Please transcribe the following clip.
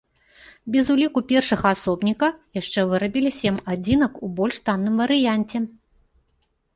Без уліку першага асобніка, яшчэ вырабілі сем адзінак у больш танным варыянце.